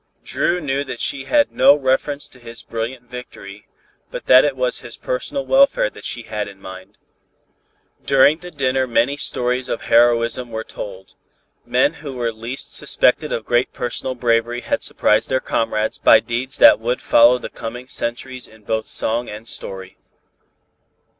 Dru knew that she had no reference to his brilliant victory, but that it was his personal welfare that she had in mind. During the dinner many stories of heroism were told, men who were least suspected of great personal bravery had surprised their comrades by deeds that would follow the coming centuries in both song and story.